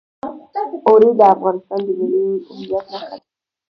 اوړي د افغانستان د ملي هویت نښه ده.